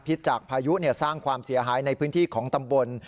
จากพายุสร้างความเสียหายในพื้นที่ของตำบล